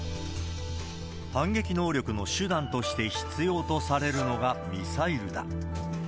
反撃能力の手段として必要とされるのがミサイルだ。